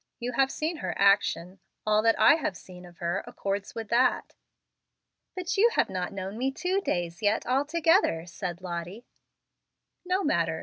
"You have seen her action. All that I have seen of her accords with that." "But you have not known me two days yet altogether," said Lottie. "No matter.